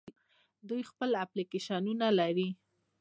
دوی خپل اپلیکیشنونه لري.